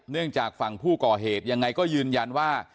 จากฝั่งผู้ก่อเหตุยังไงก็ยืนยันว่า